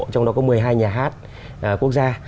trong đó có một mươi hai nhà hát quốc gia